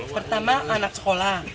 pertama anak sekolah